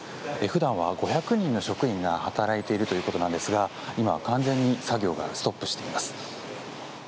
普段は５００人の職員が働いているということなんですが今は完全に作業がストップしています。